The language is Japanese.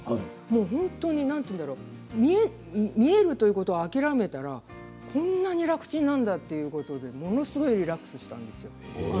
本当になんて言うんだろう見えるということを諦めたらこんなに楽ちんなんだということでものすごくリラックスしたんですよ。